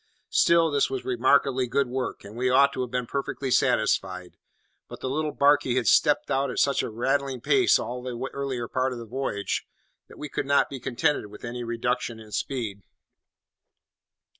Still, this was remarkably good work, and we ought to have been perfectly satisfied; but the little barkie had stepped out at such a rattling pace all the earlier part of the voyage, that we could not be contented with any reduction in speed.